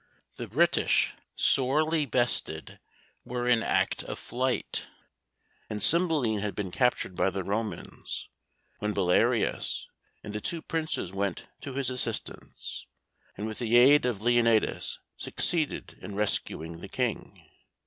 The British, sorely bested, were in act of flight, and Cymbeline had been captured by the Romans, when Belarius and the two Princes went to his assistance, and with the aid of Leonatus succeeded in rescuing the King.